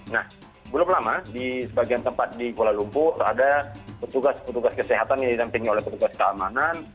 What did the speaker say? nah belum lama di sebagian tempat di kuala lumpur ada petugas petugas kesehatan yang didampingi oleh petugas keamanan